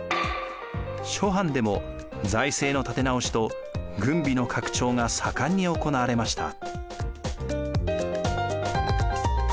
諸藩でも財政の立て直しと軍備の拡張が盛んに行われました。